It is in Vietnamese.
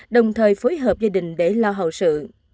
đồng thời phối hợp gia đình để lo hậu sự